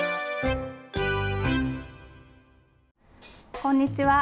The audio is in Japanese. こんにちは。